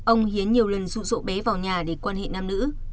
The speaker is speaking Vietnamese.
ông hiến nhiều lần rụ rỗ bé vào nhà để quan hệ nam nữ